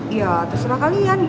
ya terserah kalian